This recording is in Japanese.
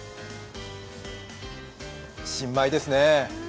新米ですね。